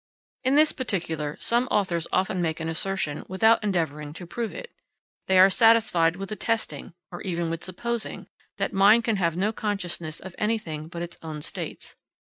In this particular, some authors often make an assertion without endeavouring to prove it. They are satisfied with attesting, or even with supposing, that mind can have no consciousness of anything but its own states.